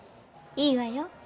いいわよ。